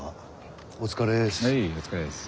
お疲れっす。